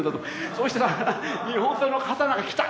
そうしたら日本刀の刀が来た！